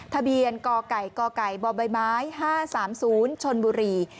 ทะเบียนกกบบ๕๓๐ชนบุรี